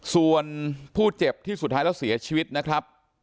ส่วนผู้เจ็บที่สุดท้ายแล้วเสียชีวิตนะครับ